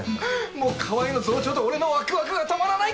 もう川合の増長と俺のワクワクが止まらない！